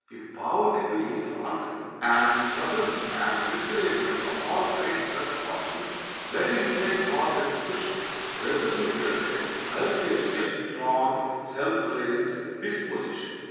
If poverty be his lot, and troubles and discouragements of all kinds press upon him, let him take heart and push resolutely ahead, cultivating a strong, self reliant disposition.